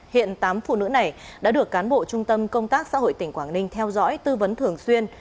hiện tám phụ nữ này đã được cán bộ trung tâm công tác xã hội tỉnh quảng ninh theo dõi tư vấn thường xuyên